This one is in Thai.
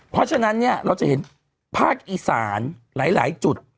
เพราะฉะนั้นเนี่ยเราจะเห็นภาคอีสานหลายจุด